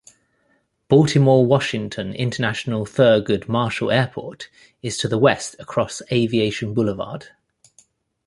Baltimore-Washington International Thurgood Marshall Airport is to the west across Aviation Boulevard.